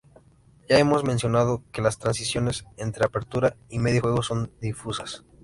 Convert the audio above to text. Ya hemos mencionado que las transiciones entre apertura y medio juego son difusas.